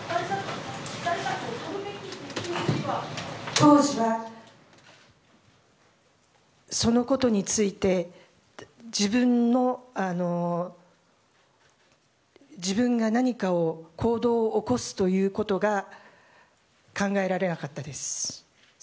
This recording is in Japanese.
当時は、そのことについて自分が何か行動を起こすということが考えられなかったです。